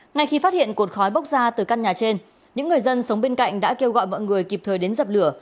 ngay khi phát hiện cột khói bốc ra từ căn nhà trên những người dân sống bên cạnh đã kêu gọi mọi người kịp thời đến dập lửa